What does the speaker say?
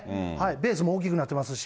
ベースも大きくなってますし。